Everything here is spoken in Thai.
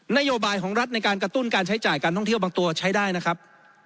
นโยบายของรัฐในการกระตุ้นการใช้จ่ายการท่องเที่ยวบางตัวใช้ได้นะครับ